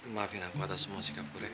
maafin aku atas semua sikapku rek